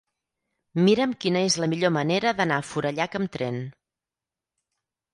Mira'm quina és la millor manera d'anar a Forallac amb tren.